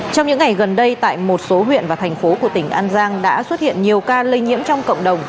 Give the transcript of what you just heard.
trong những ngày gần đây tại một số huyện và thành phố của tỉnh an giang đã xuất hiện nhiều ca lây nhiễm trong cộng đồng